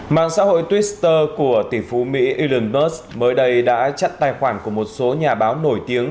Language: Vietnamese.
mạng xã hội twitter của tỷ phú mỹ elon musk mới đây đã chặn tài khoản của một số nhà báo nổi tiếng